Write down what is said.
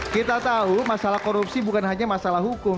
kita tahu masalah korupsi bukan hanya masalah hukum